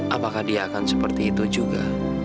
apakah dia akan seperti itu juga